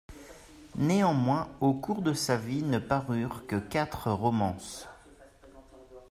Néanmoins, au cours de sa vie ne parurent que quatre romances.